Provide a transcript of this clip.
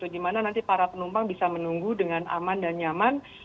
di mana nanti para penumpang bisa menunggu dengan aman dan nyaman